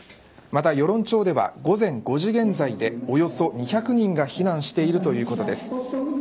また与論町では午前５時現在でおよそ２００人が避難しているということです。